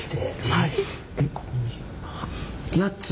はい。